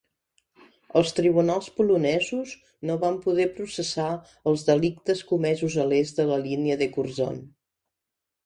Els tribunals polonesos no van poder processar els delictes comesos a l'est de la línia de Curzon.